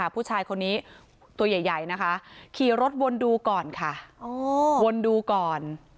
ผู้ชายคนนี้ตัวใหญ่นะคะขี่รถวนดูก่อนค่ะวนดูก่อน